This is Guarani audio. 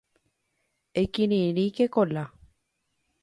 Ekirirĩke Kola